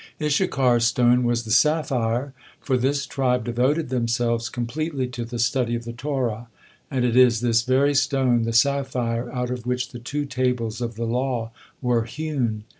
Issachar's stone was the sapphire, for this tribe devoted themselves completely to the study of the Torah, and it is this very stone, the sapphire, out of which the two tables of the law were hewn.